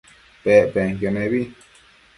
Pec penquio nebi